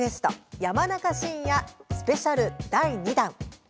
山中伸弥スペシャル第２弾。